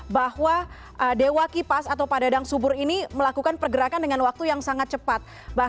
bahwa dewa kipas atau pak dadang subur ini melakukan pergerakan dengan waktu yang sangat cepat